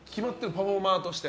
パフォーマーとして。